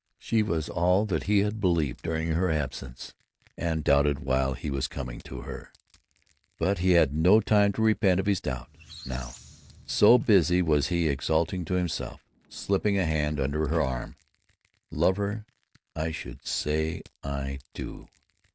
She was all that he had believed during her absence and doubted while he was coming to her. But he had no time to repent of his doubt, now, so busily was he exulting to himself, slipping a hand under her arm: "Love her? I—should—say—I—do!"